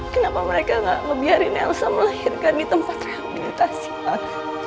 kenapa mereka gak ngebiarin elsa melahirkan di tempat rehabilitasi